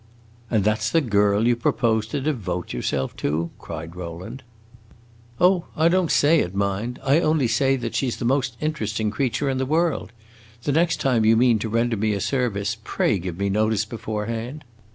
"And that 's the girl you propose to devote yourself to?" cried Rowland. "Oh, I don't say it, mind! I only say that she 's the most interesting creature in the world! The next time you mean to render me a service, pray give me notice beforehand!"